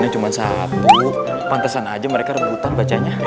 cuma satu pantesan aja mereka rebutan bacanya